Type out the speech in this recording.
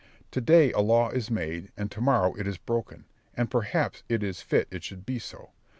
To day a law is made, and to morrow it is broken, and perhaps it is fit it should be so.